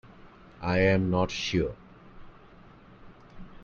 I am not sure.